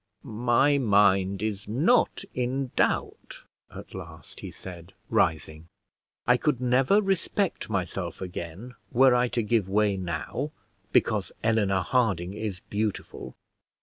"My mind is not in doubt," at last he said, rising. "I could never respect myself again were I to give way now, because Eleanor Harding is beautiful.